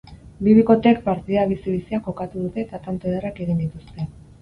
Bi bikoteek partida bizi-bizia jokatu dute eta tanto ederrak egin dituzte.